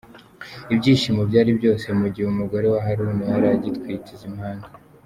Ibyishimo byari byose mu gihe umugore wa Haruna yari agitwite izi mpanga.